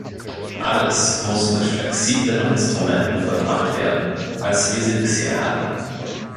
Alles muss mit flexibleren Instrumenten vollbracht werden, als wir sie bisher hatten.